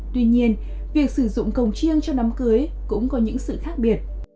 tuy nhiên việc sử dụng cồng chiêng cho đám cưới cũng có những sự khác biệt